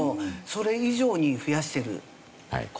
それ以上に増やしている事。